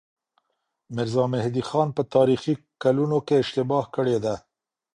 ميرزا مهدي خان په تاريخي کلونو کې اشتباه کړې ده.